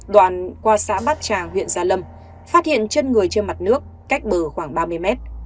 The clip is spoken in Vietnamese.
đoạn qua xã bát tràng huyện gia lâm phát hiện chân người trên mặt nước cách bờ khoảng ba mươi mét